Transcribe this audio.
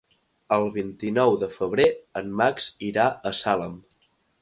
El vint-i-nou de febrer en Max irà a Salem.